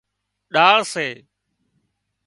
ڏاۯ سي